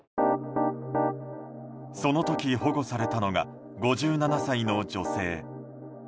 その時、保護されたのが５７歳の女性。